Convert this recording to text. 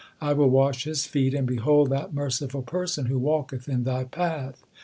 I will wash his feet and behold That merciful person who walketh in Thy path.